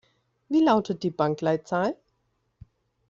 Wie lautet die Bankleitzahl?